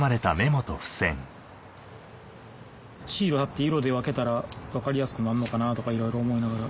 シール貼って色で分けたら分かりやすくなるのかなとかいろいろ思いながら。